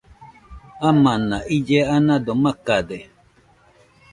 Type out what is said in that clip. Amana ille anado makade